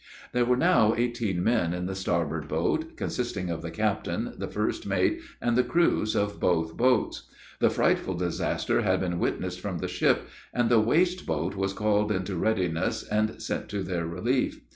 There were now eighteen men in the starboard boat, consisting of the captain, the first mate, and the crews of both boats. The frightful disaster had been witnessed from the ship, and the waste boat was called into readiness, and sent to their relief.